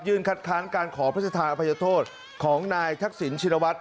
ยื่นคัดค้านการขอพฤษภาษณ์อภัยโทษของนายทักษิณชินวัตต์